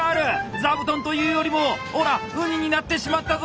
ザブトンというよりもおらウニになってしまったぞ！